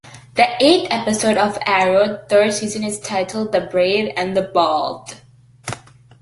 The eighth episode of "Arrow"'s third season is titled "The Brave and the Bold".